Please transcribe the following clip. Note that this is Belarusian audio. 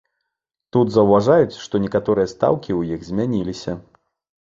Тут заўважаюць, што некаторыя стаўкі ў іх змяніліся.